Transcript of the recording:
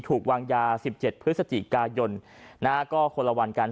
ถูกวางยา๑๗พศกายนโคลวันกัน